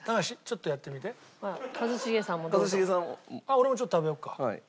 俺もちょっと食べようか。